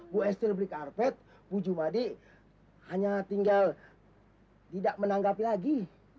bu esther beli karpet bu jumadi hanya tinggal tidak menanggapi lagi